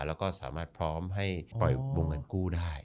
แล้วก็สามารถพร้อมให้ปล่อยวงเงินกู้ได้